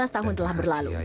lima belas tahun telah berlalu